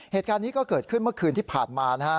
เหตุการณ์นี้ก็เกิดขึ้นเมื่อคืนที่ผ่านมานะฮะ